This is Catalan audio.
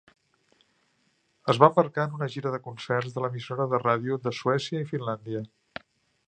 Es va embarcar en una gira de concerts de l'emissora de ràdio de Suècia i Finlàndia.